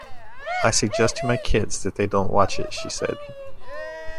I suggest to my kids that they don't watch it, she said.